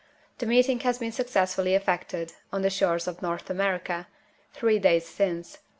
The meeting has been successfully effected, on the shores of North America, three days since.